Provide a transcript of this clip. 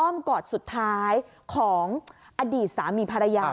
กอดสุดท้ายของอดีตสามีภรรยา